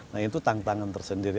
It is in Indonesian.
nah itu tantangan tersendiri